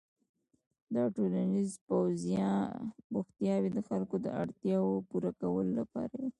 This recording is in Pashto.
دا ټولنیز بوختیاوې د خلکو د اړتیاوو پوره کولو لپاره وې.